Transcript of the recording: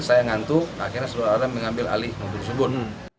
saya ngantuk akhirnya saudara mengambil alih mobil subun